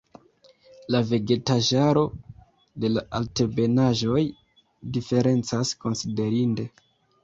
La vegetaĵaro de la altebenaĵoj diferencas konsiderinde.